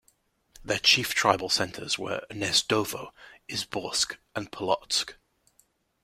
Their chief tribal centres were Gnezdovo, Izborsk, and Polotsk.